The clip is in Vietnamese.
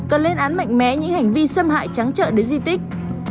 hãy đánh mạnh mẽ những hành vi xâm hại trắng trợ đến di tích